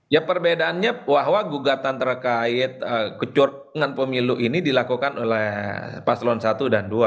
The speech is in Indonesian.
ya perbedaannya bahwa gugatan terkait kecurangan pemilu ini dilakukan oleh paslon satu dan dua